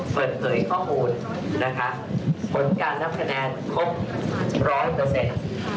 เปิดเผยข้อมูลนะคะผลการนับคะแนนครบร้อยเปอร์เซ็นต์